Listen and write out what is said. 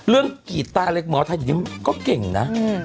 เรื่องกรีดตาอะไรหมอไทยอย่างนี้ก็เก่งนะ